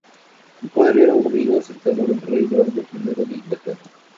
Su padre era un amigo cercano del rey Eduardo I de Inglaterra.